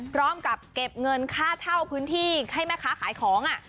พร้อมกับเก็บเงินค่าเช่าพื้นที่ให้แม่ค้าขายของ